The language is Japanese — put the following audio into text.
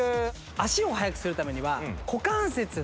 「足を速くするためには」